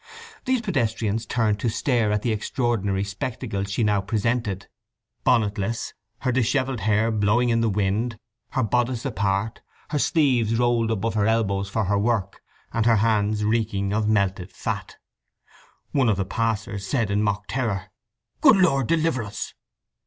These pedestrians turned to stare at the extraordinary spectacle she now presented, bonnetless, her dishevelled hair blowing in the wind, her bodice apart, her sleeves rolled above her elbows for her work, and her hands reeking with melted fat. One of the passers said in mock terror: "Good Lord deliver us!"